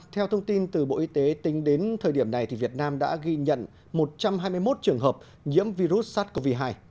theo thông tin từ bộ y tế tính đến thời điểm này việt nam đã ghi nhận một trăm hai mươi một trường hợp nhiễm virus sars cov hai